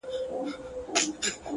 زړه لکه هينداره ښيښې گلي’